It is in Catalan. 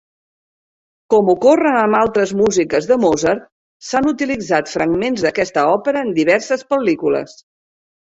Com ocorre amb altres músiques de Mozart, s'han utilitzat fragments d'aquesta òpera en diverses pel·lícules.